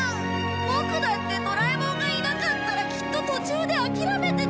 ボクだってドラえもんがいなかったらきっと途中で諦めてたよ。